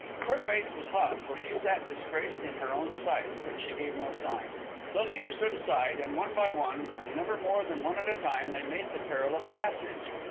Her face was hot, for she sat disgraced in her own sight; but she gave no sign. The leader stood aside, and one by one, and never more than one at a time, they made the perilous passage.